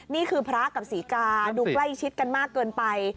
นี่คือพระกับศรีกาดูใกล้ชิดกันมากเกินไป